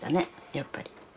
やっぱり。